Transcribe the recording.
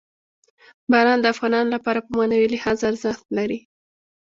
باران د افغانانو لپاره په معنوي لحاظ ارزښت لري.